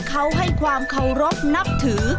เขาให้ความเคารพนับถือ